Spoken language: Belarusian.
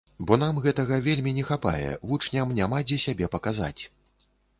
Бо нам гэтага вельмі не хапае, вучням няма дзе сябе паказаць.